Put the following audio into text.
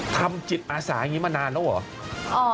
ทำจิตอาสาอย่างนี้มานานแล้วเหรอ